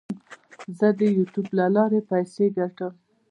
زه د یوټیوب له لارې پیسې ګټم.